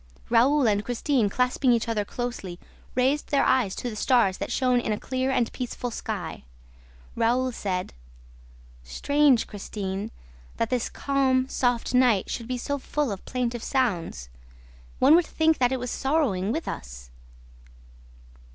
Raoul and Christine, clasping each other closely, raised their eyes to the stars that shone in a clear and peaceful sky. Raoul said: "Strange, Christine, that this calm, soft night should be so full of plaintive sounds. One would think that it was sorrowing with us."